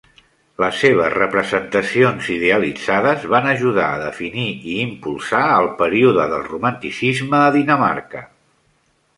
Les seves representacions idealitzades van ajudar a definir i impulsar el període del romanticisme a Dinamarca.